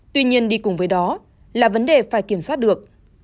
tuy nhiên đi cùng với đó là vấn đề phải kiểm soát được